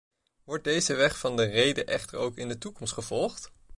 Wordt deze weg van de rede echter ook in de toekomst gevolgd?